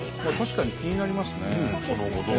確かに気になりますね。